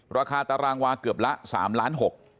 ราคาตารางวาเกือบละ๓๖๐๐๐๐๐บาท